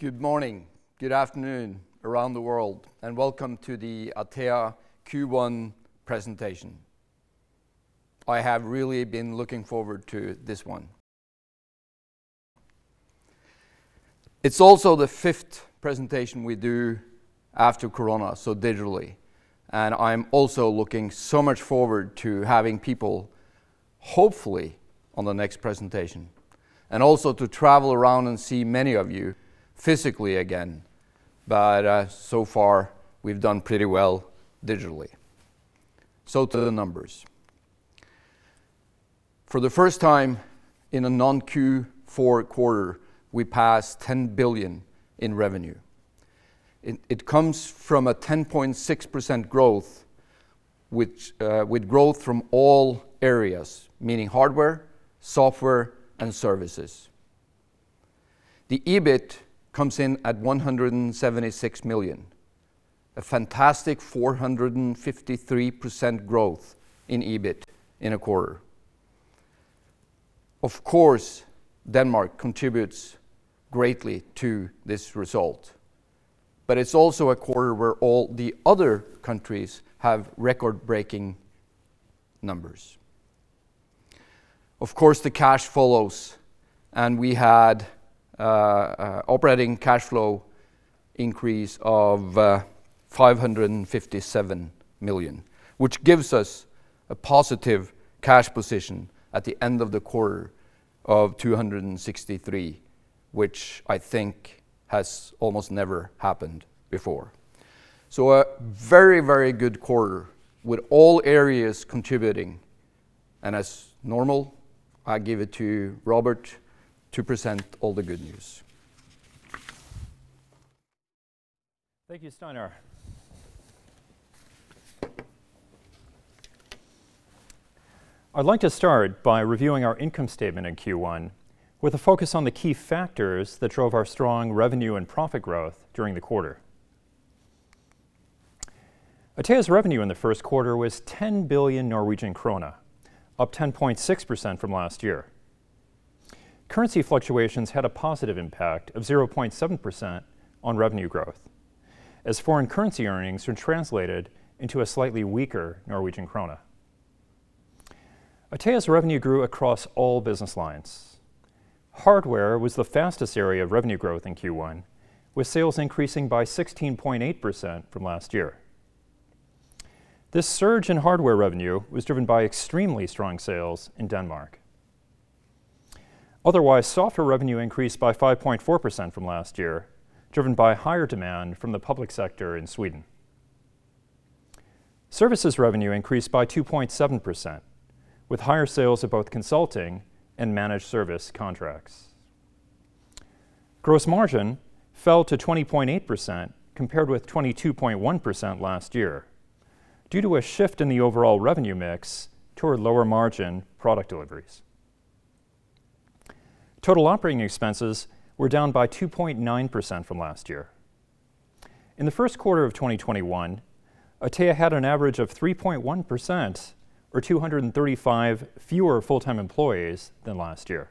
Good morning, good afternoon around the world, welcome to the Atea Q1 presentation. I have really been looking forward to this one. It's also the fifth presentation we do after corona, so digitally, and I'm also looking so much forward to having people, hopefully, on the next presentation, and also to travel around and see many of you physically again. So far, we've done pretty well digitally. To the numbers. For the first time in a non-Q4 quarter, we passed 10 billion in revenue. It comes from a 10.6% growth, with growth from all areas, meaning hardware, software, and services. The EBIT comes in at 176 million, a fantastic 453% growth in EBIT in a quarter. Of course, Denmark contributes greatly to this result, but it's also a quarter where all the other countries have record-breaking numbers. Of course, the cash follows, and we had operating cash flow increase of 557 million, which gives us a positive cash position at the end of the quarter of 263 million, which I think has almost never happened before. A very, very good quarter with all areas contributing. As normal, I give it to Robert to present all the good news. Thank you, Steinar. I'd like to start by reviewing our income statement in Q1 with a focus on the key factors that drove our strong revenue and profit growth during the quarter. Atea's revenue in the first quarter was 10 billion Norwegian krone, up 10.6% from last year. Currency fluctuations had a positive impact of 0.7% on revenue growth, as foreign currency earnings are translated into a slightly weaker Norwegian krone. Atea's revenue grew across all business lines. Hardware was the fastest area of revenue growth in Q1, with sales increasing by 16.8% from last year. This surge in hardware revenue was driven by extremely strong sales in Denmark. Otherwise, software revenue increased by 5.4% from last year, driven by higher demand from the public sector in Sweden. Services revenue increased by 2.7%, with higher sales of both consulting and managed service contracts. Gross margin fell to 20.8%, compared with 22.1% last year due to a shift in the overall revenue mix toward lower-margin product deliveries. Total operating expenses were down by 2.9% from last year. In the first quarter of 2021, Atea had an average of 3.1%, or 235 fewer full-time employees than last year.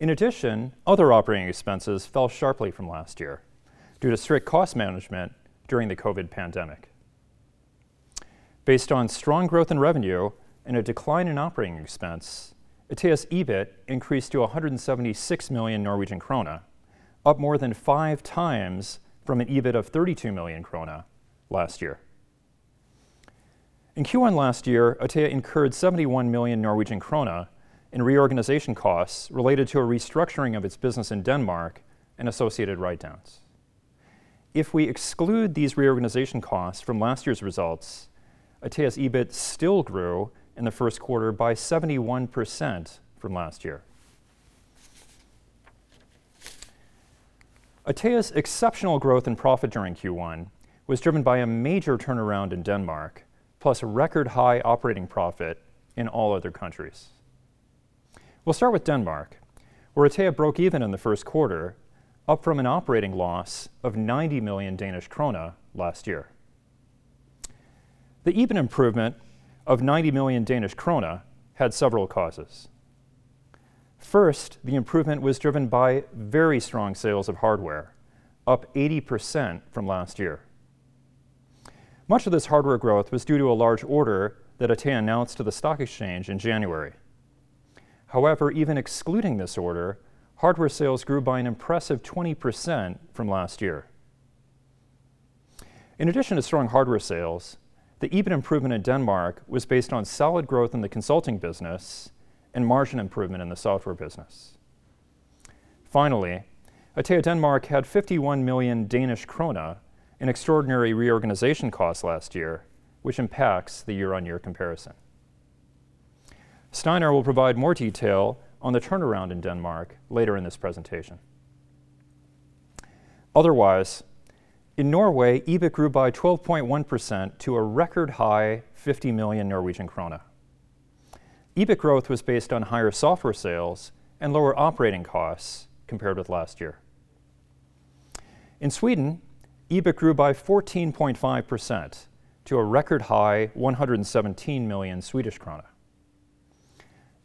In addition, other operating expenses fell sharply from last year due to strict cost management during the COVID pandemic. Based on strong growth in revenue and a decline in operating expense, Atea's EBIT increased to 176 million Norwegian krone, up more than five times from an EBIT of 32 million krone last year. In Q1 last year, Atea incurred 71 million Norwegian krone in reorganization costs related to a restructuring of its business in Denmark and associated write-downs. If we exclude these reorganization costs from last year's results, Atea's EBIT still grew in the first quarter by 71% from last year. Atea's exceptional growth and profit during Q1 was driven by a major turnaround in Denmark, plus record-high operating profit in all other countries. We'll start with Denmark, where Atea broke even in the first quarter, up from an operating loss of 90 million Danish krone last year. The EBIT improvement of 90 million Danish krone had several causes. First, the improvement was driven by very strong sales of hardware, up 80% from last year. Much of this hardware growth was due to a large order that Atea announced to the stock exchange in January. However, even excluding this order, hardware sales grew by an impressive 20% from last year. In addition to strong hardware sales, the EBIT improvement in Denmark was based on solid growth in the consulting business and margin improvement in the software business. Finally, Atea Denmark had 51 million Danish krone in extraordinary reorganization costs last year, which impacts the year-over-year comparison. Steinar will provide more detail on the turnaround in Denmark later in this presentation. Otherwise, in Norway, EBIT grew by 12.1% to a record high 50 million Norwegian krone. EBIT growth was based on higher software sales and lower operating costs compared with last year. In Sweden, EBIT grew by 14.5% to a record high 117 million Swedish krona.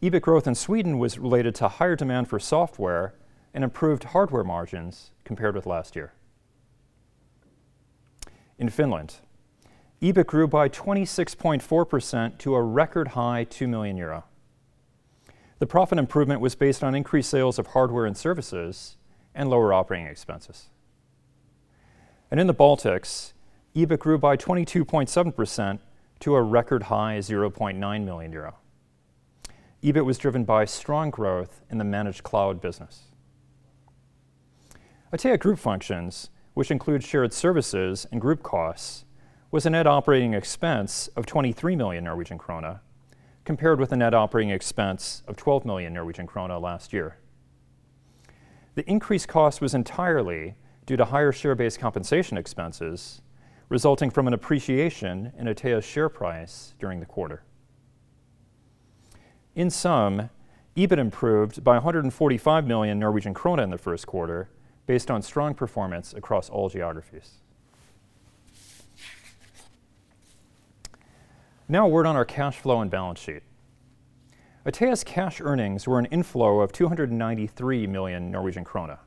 EBIT growth in Sweden was related to higher demand for software and improved hardware margins compared with last year. In Finland, EBIT grew by 26.4% to a record high 2 million euro. The profit improvement was based on increased sales of hardware and services and lower operating expenses. In the Baltics, EBIT grew by 22.7% to a record high 0.9 million euro. EBIT was driven by strong growth in the managed cloud business. Atea Group Functions, which include shared services and group costs, was a net operating expense of 23 million Norwegian krone, compared with a net operating expense of 12 million Norwegian krone last year. The increased cost was entirely due to higher share-based compensation expenses, resulting from an appreciation in Atea's share price during the quarter. In sum, EBIT improved by 145 million Norwegian krone in the first quarter, based on strong performance across all geographies. Now a word on our cash flow and balance sheet. Atea's cash earnings were an inflow of 293 million Norwegian krone.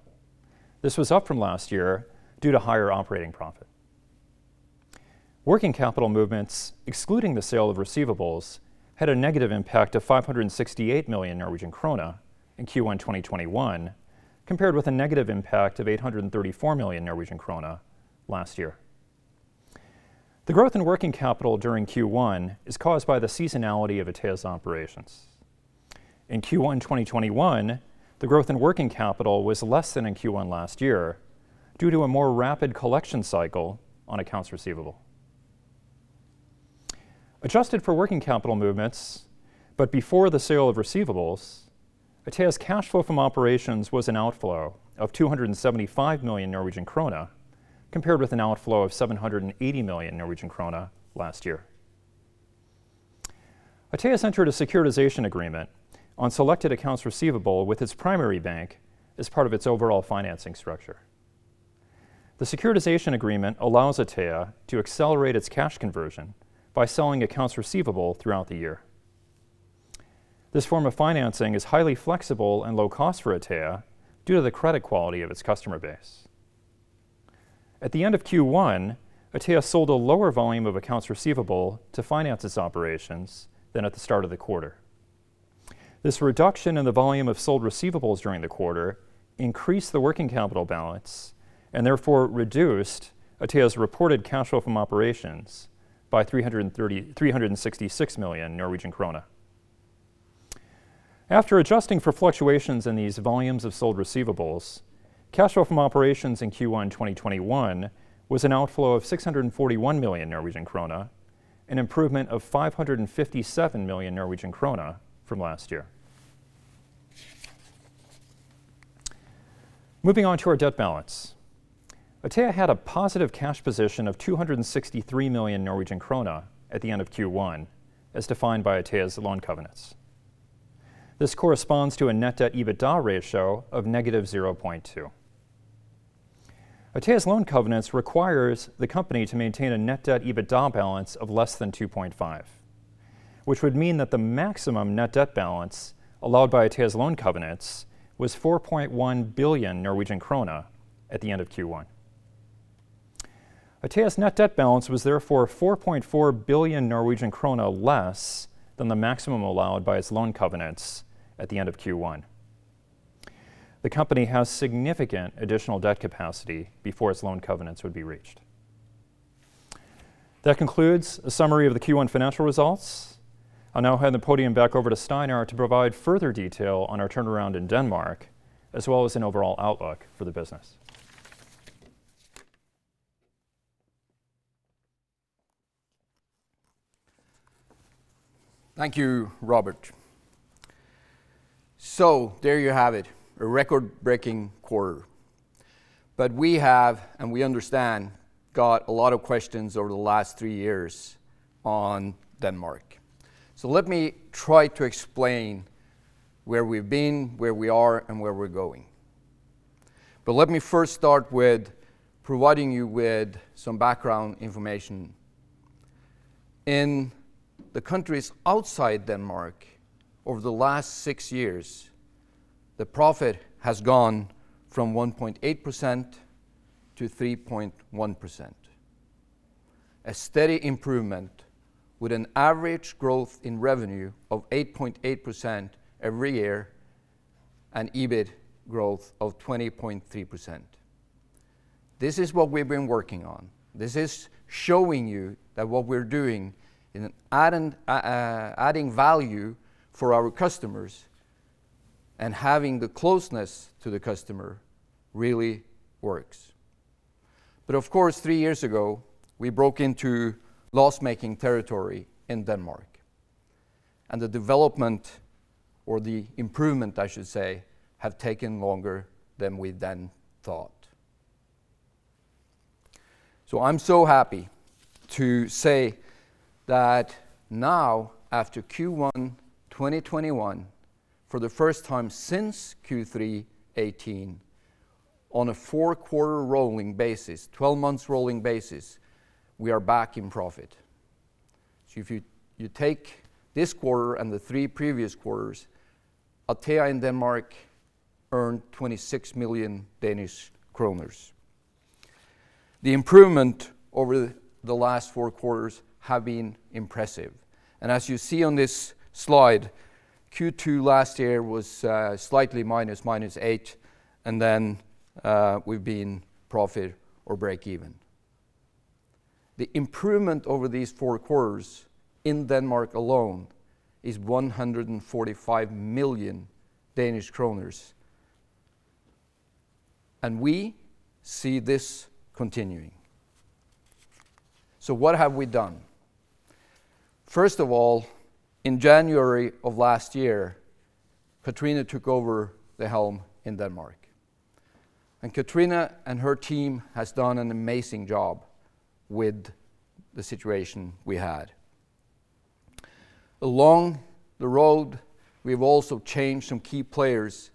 This was up from last year due to higher operating profit. Working capital movements, excluding the sale of receivables, had a negative impact of 568 million Norwegian krone in Q1 2021, compared with a negative impact of 834 million Norwegian krone last year. The growth in working capital during Q1 is caused by the seasonality of Atea's operations. In Q1 2021, the growth in working capital was less than in Q1 last year due to a more rapid collection cycle on accounts receivable. Adjusted for working capital movements, but before the sale of receivables, Atea's cash flow from operations was an outflow of 275 million Norwegian krone, compared with an outflow of 780 million Norwegian krone last year. Atea has entered a securitization agreement on selected accounts receivable with its primary bank as part of its overall financing structure. The securitization agreement allows Atea to accelerate its cash conversion by selling accounts receivable throughout the year. This form of financing is highly flexible and low cost for Atea due to the credit quality of its customer base. At the end of Q1, Atea sold a lower volume of accounts receivable to finance its operations than at the start of the quarter. This reduction in the volume of sold receivables during the quarter increased the working capital balance and therefore reduced Atea's reported cash flow from operations by 366 million Norwegian krone. After adjusting for fluctuations in these volumes of sold receivables, cash flow from operations in Q1 2021 was an outflow of 641 million Norwegian krone, an improvement of 557 million Norwegian krone from last year. Moving on to our debt balance. Atea had a positive cash position of 263 million Norwegian krone at the end of Q1, as defined by Atea's loan covenants. This corresponds to a net debt-to-EBITDA ratio of -0.2. Atea's loan covenants requires the company to maintain a net debt-to-EBITDA balance of less than 2.5, which would mean that the maximum net debt balance allowed by Atea's loan covenants was 4.1 billion Norwegian krone at the end of Q1. Atea's net debt balance was therefore 4.4 billion Norwegian krone less than the maximum allowed by its loan covenants at the end of Q1. The company has significant additional debt capacity before its loan covenants would be reached. That concludes the summary of the Q1 financial results. I'll now hand the podium back over to Steinar to provide further detail on our turnaround in Denmark, as well as an overall outlook for the business. Thank you, Robert. There you have it, a record-breaking quarter. We have, and we understand, got a lot of questions over the last three years on Denmark. Let me try to explain where we've been, where we are, and where we're going. Let me first start with providing you with some background information. In the countries outside Denmark, over the last six years, the profit has gone from 1.8% to 3.1%. A steady improvement with an average growth in revenue of 8.8% every year and EBIT growth of 20.3%. This is what we've been working on. This is showing you that what we're doing in adding value for our customers and having the closeness to the customer really works. Of course, three years ago, we broke into loss-making territory in Denmark, and the development, or the improvement I should say, have taken longer than we then thought. I'm so happy to say that now, after Q1 2021, for the first time since Q3 2018, on a four-quarter rolling basis, 12-month rolling basis, we are back in profit. If you take this quarter and the three previous quarters, Atea in Denmark earned DKK 26 million. The improvement over the last four quarters have been impressive, as you see on this slide, Q2 last year was slightly -8 million, then we've been profit or breakeven. The improvement over these four quarters in Denmark alone is 145 million Danish kroner, we see this continuing. What have we done? In January of last year, Kathrine Forsberg took over the helm in Atea Denmark. Kathrine Forsberg and her team has done an amazing job with the situation we had. Along the road, we've also changed some key players.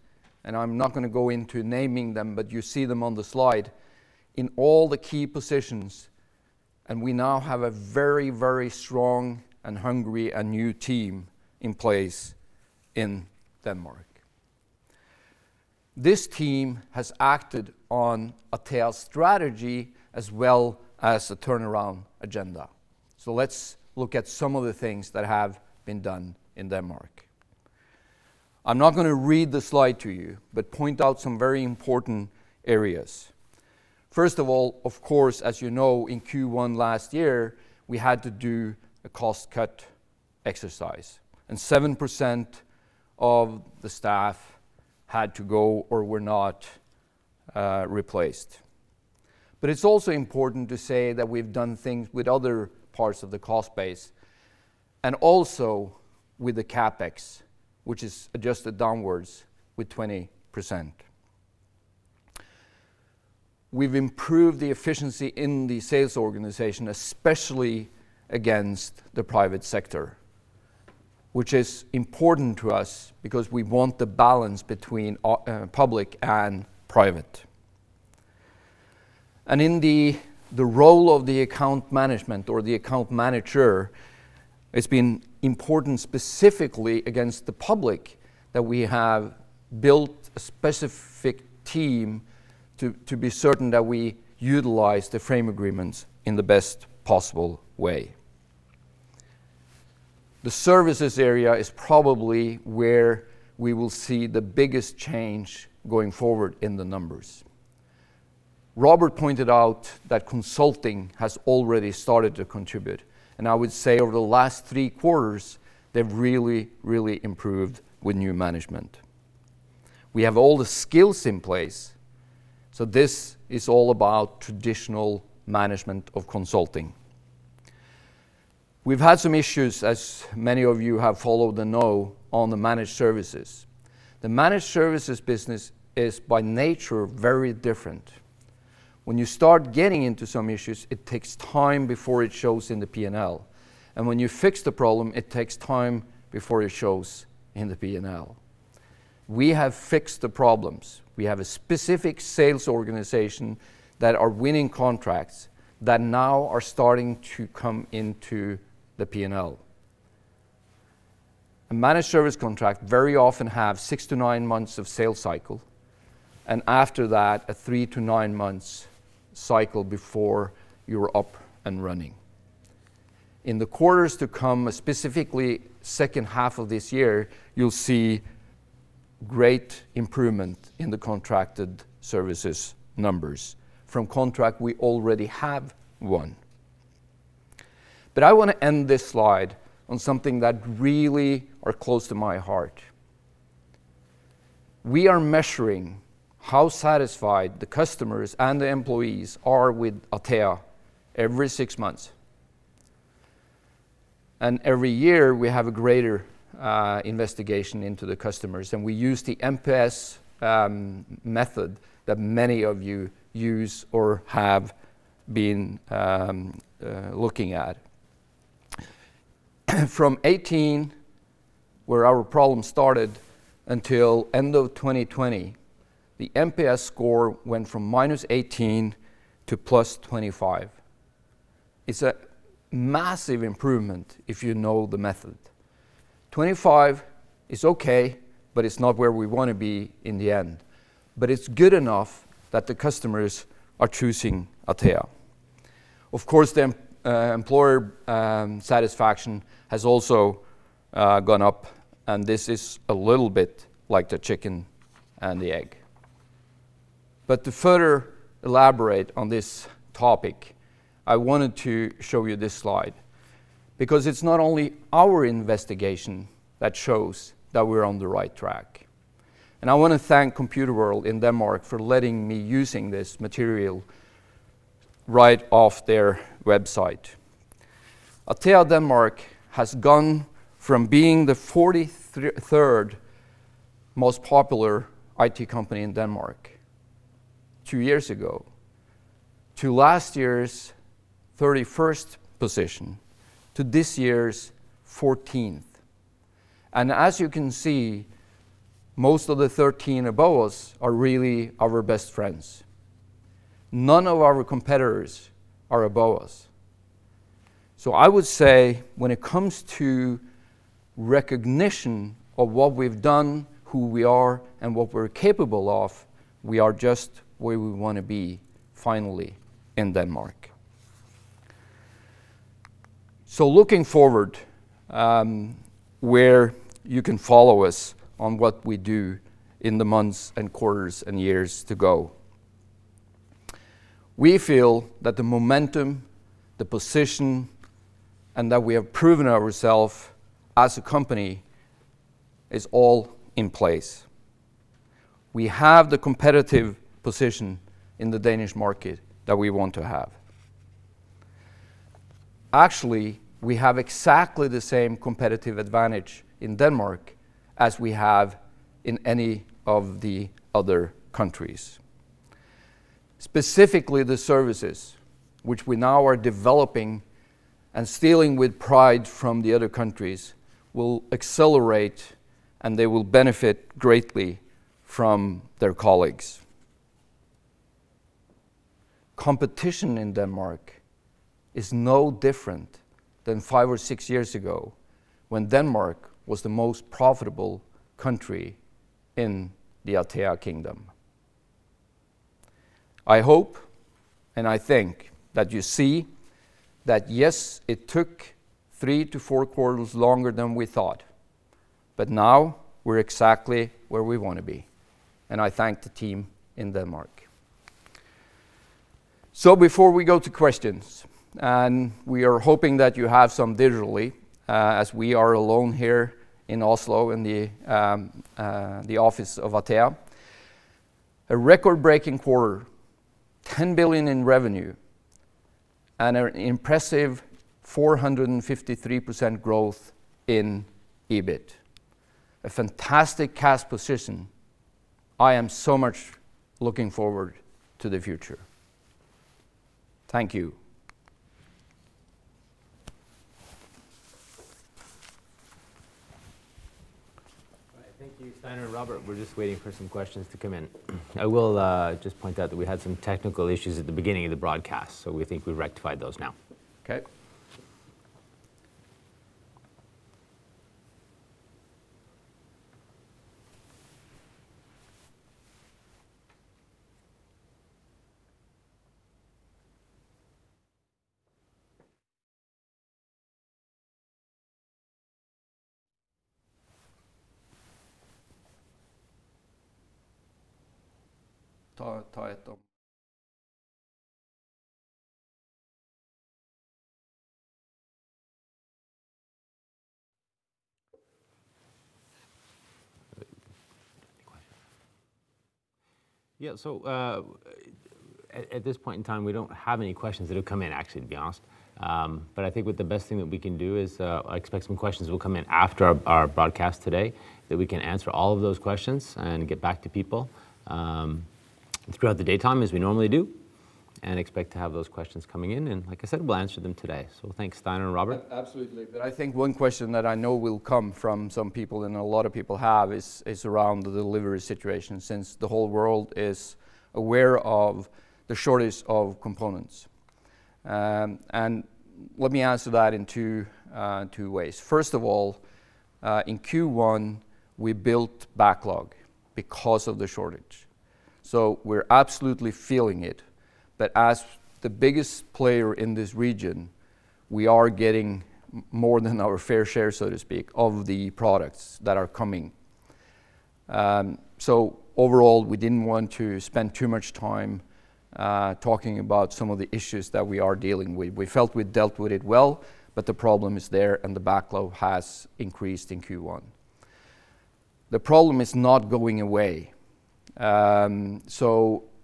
I'm not going to go into naming them, you see them on the slide in all the key positions. We now have a very, very strong and hungry and new team in place in Atea Denmark. This team has acted on Atea's strategy as well as the turnaround agenda. Let's look at some of the things that have been done in Atea Denmark. I'm not going to read the slide to you, point out some very important areas. First of all, of course, as you know, in Q1 last year, we had to do a cost-cut exercise. 7% of the staff had to go or were not replaced. It's also important to say that we've done things with other parts of the cost base and also with the CapEx, which is adjusted downwards with 20%. We've improved the efficiency in the sales organization, especially against the private sector, which is important to us because we want the balance between public and private. In the role of the account management or the account manager, it's been important specifically against the public that we have built a specific team to be certain that we utilize the frame agreements in the best possible way. The services area is probably where we will see the biggest change going forward in the numbers. Robert pointed out that consulting has already started to contribute. I would say over the last three quarters, they've really, really improved with new management. We have all the skills in place. This is all about traditional management of consulting. We've had some issues, as many of you have followed and know, on the managed services. The managed services business is by nature very different. When you start getting into some issues, it takes time before it shows in the P&L. When you fix the problem, it takes time before it shows in the P&L. We have fixed the problems. We have a specific sales organization that are winning contracts that now are starting to come into the P&L. A managed service contract very often have six to nine months of sales cycle. After that, a three- to nine-month cycle before you're up and running. In the quarters to come, specifically second half of this year, you'll see great improvement in the contracted services numbers from contract we already have won. I want to end this slide on something that really are close to my heart. We are measuring how satisfied the customers and the employees are with Atea every six months. Every year, we have a greater investigation into the customers, and we use the NPS method that many of you use or have been looking at. From 2018, where our problem started, until end of 2020, the NPS score went from -18 to +25. It's a massive improvement if you know the method. 25 is okay, but it's not where we want to be in the end. It's good enough that the customers are choosing Atea. Of course, the employee satisfaction has also gone up. This is a little bit like the chicken and the egg. To further elaborate on this topic, I wanted to show you this slide because it's not only our investigation that shows that we're on the right track. I want to thank Computerworld in Denmark for letting me using this material right off their website. Atea Denmark has gone from being the 43rd most popular IT company in Denmark two years ago, to last year's 31st position, to this year's 14th. As you can see, most of the 13 above us are really our best friends. None of our competitors are above us. I would say when it comes to recognition of what we've done, who we are, and what we're capable of, we are just where we want to be finally in Denmark. Looking forward, where you can follow us on what we do in the months and quarters and years to go. We feel that the momentum, the position, and that we have proven ourselves as a company, is all in place. We have the competitive position in the Danish market that we want to have. Actually, we have exactly the same competitive advantage in Denmark as we have in any of the other countries. Specifically the services which we now are developing and stealing with pride from the other countries will accelerate, and they will benefit greatly from their colleagues. Competition in Denmark is no different than five or six years ago, when Denmark was the most profitable country in the Atea kingdom. I hope and I think that you see that yes, it took three to four quarters longer than we thought. Now we're exactly where we want to be. I thank the team in Denmark. Before we go to questions. We are hoping that you have some digitally, as we are alone here in Oslo in the office of Atea. A record-breaking quarter, 10 billion in revenue. An impressive 453% growth in EBIT. A fantastic cash position. I am so much looking forward to the future. Thank you. All right. Thank you, Steinar and Robert. We're just waiting for some questions to come in. I will just point out that we had some technical issues at the beginning of the broadcast, so we think we've rectified those now. Okay. Any questions? Yeah, at this point in time, we don't have any questions that have come in actually, to be honest. I think the best thing that we can do is I expect some questions will come in after our broadcast today, that we can answer all of those questions and get back to people throughout the daytime as we normally do, and expect to have those questions coming in, and like I said, we'll answer them today. Thanks, Steinar and Robert. Absolutely. I think one question that I know will come from some people, and a lot of people have, is around the delivery situation, since the whole world is aware of the shortage of components. Let me answer that in two ways. First of all, in Q1, we built backlog because of the shortage. We're absolutely feeling it, but as the biggest player in this region, we are getting more than our fair share, so to speak, of the products that are coming. Overall, we didn't want to spend too much time talking about some of the issues that we are dealing with. We felt we'd dealt with it well, but the problem is there, and the backlog has increased in Q1. The problem is not going away.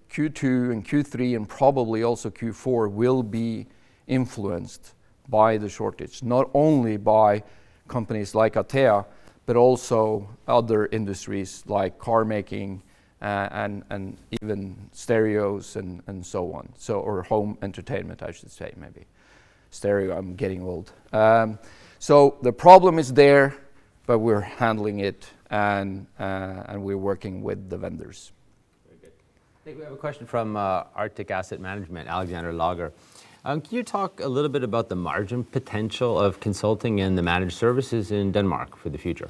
Q2 and Q3 and probably also Q4 will be influenced by the shortage, not only by companies like Atea, but also other industries like carmaking and even stereos and so on. Home entertainment, I should say, maybe. Stereo, I'm getting old. The problem is there, but we're handling it and we're working with the vendors. Very good. I think we have a question from Arctic Asset Management, Alexander Larstedt Lager. Can you talk a little bit about the margin potential of consulting and the managed services in Denmark for the future?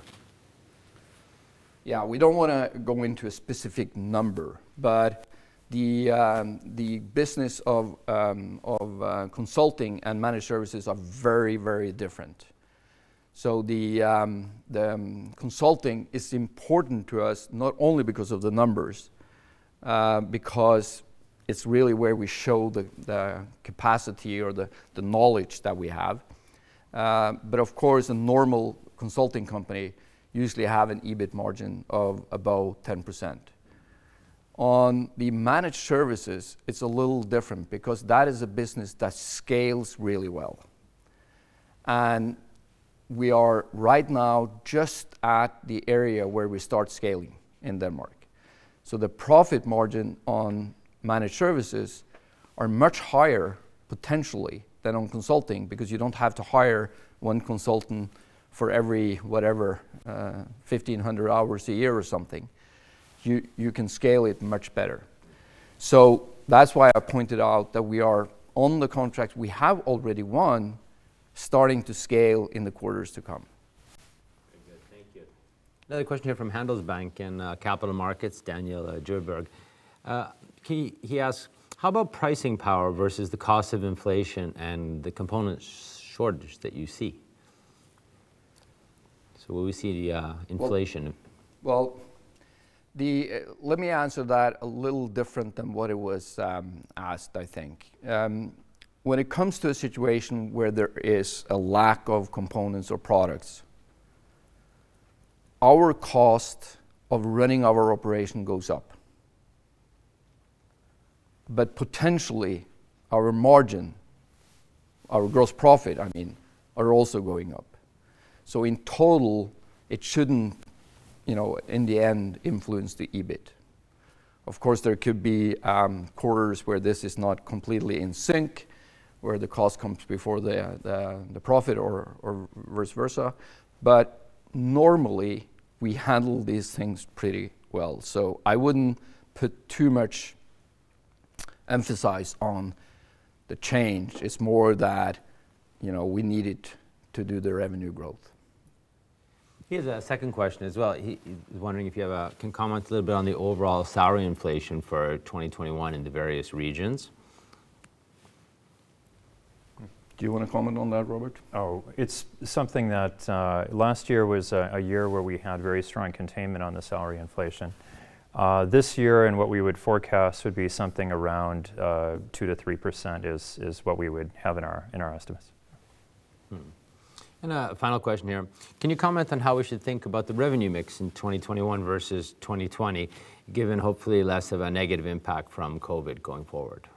Yeah. We don't want to go into a specific number, but the business of consulting and managed services are very different. The consulting is important to us, not only because of the numbers, because it's really where we show the capacity or the knowledge that we have. Of course, a normal consulting company usually have an EBIT margin of about 10%. On the managed services, it's a little different because that is a business that scales really well. We are right now just at the area where we start scaling in the market. The profit margin on managed services are much higher potentially than on consulting because you don't have to hire one consultant for every, whatever, 1,500 hours a year or something. You can scale it much better. That's why I pointed out that we are on the contract we have already won, starting to scale in the quarters to come. Very good. Thank you. Another question here from Handelsbanken Capital Markets, Daniel Djurberg. He asks, "How about pricing power versus the cost of inflation and the component shortage that you see?" Will we see the inflation? Well, let me answer that a little different than what it was asked, I think. When it comes to a situation where there is a lack of components or products, our cost of running our operation goes up. Potentially our margin, our gross profit, I mean, are also going up. In total, it shouldn't, in the end, influence the EBIT. Of course, there could be quarters where this is not completely in sync, where the cost comes before the profit or vice versa. Normally, we handle these things pretty well. I wouldn't put too much emphasis on the change. It's more that we need it to do the revenue growth. He has a second question as well. He is wondering if you can comment a little bit on the overall salary inflation for 2021 in the various regions. Do you want to comment on that, Robert? It's something that last year was a year where we had very strong containment on the salary inflation. This year and what we would forecast would be something around 2%-3% is what we would have in our estimates. A final question here. "Can you comment on how we should think about the revenue mix in 2021 versus 2020, given hopefully less of a negative impact from COVID going forward?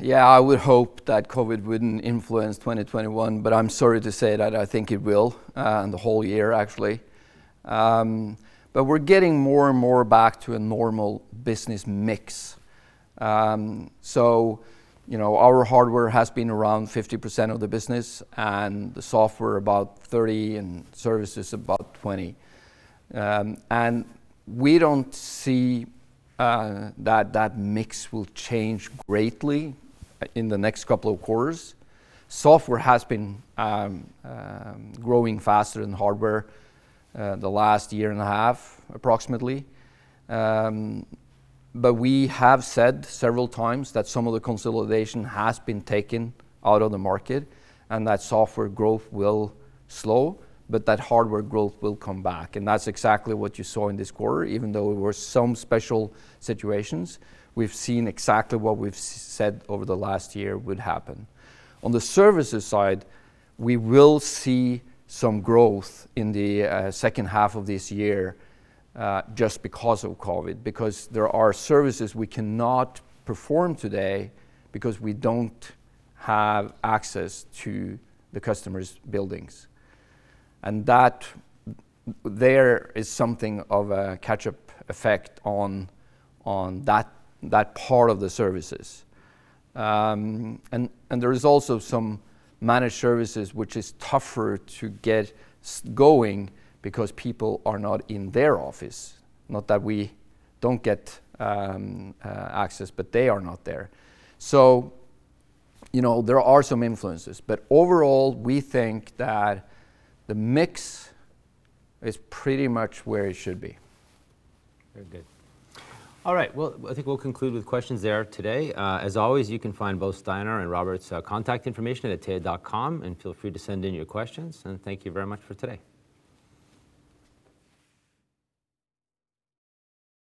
Yeah, I would hope that COVID wouldn't influence 2021. I'm sorry to say that I think it will, the whole year actually. We're getting more and more back to a normal business mix. Our hardware has been around 50% of the business, and the software about 30%, and services about 20%. We don't see that that mix will change greatly in the next couple of quarters. Software has been growing faster than hardware the last year and a half approximately. We have said several times that some of the consolidation has been taken out of the market and that software growth will slow, but that hardware growth will come back, and that's exactly what you saw in this quarter. Even though there were some special situations, we've seen exactly what we've said over the last year would happen. On the services side, we will see some growth in the second half of this year just because of COVID, because there are services we cannot perform today because we don't have access to the customer's buildings. There is something of a catch-up effect on that part of the services. There is also some managed services which is tougher to get going because people are not in their office, not that we don't get access, but they are not there. There are some influences, but overall, we think that the mix is pretty much where it should be. Very good. All right. Well, I think we'll conclude with questions there today. As always, you can find both Steinar and Robert's contact information at atea.com, and feel free to send in your questions, and thank you very much for today.